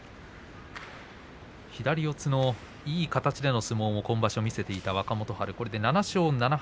左四つのいい形での相撲を今場所見せていた若元春これで７勝７敗。